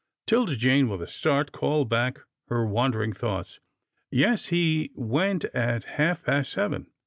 'Tilda Jane, with a start, called back her wan dering thoughts. " Yes, he went at half past seven.